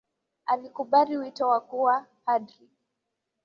Alikubali wito wa kuwa padri